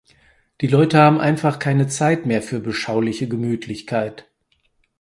Die Leute haben einfach keine Zeit mehr für beschauliche Gemütlichkeit.